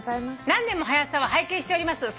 「何年も『はや朝』は拝見しております」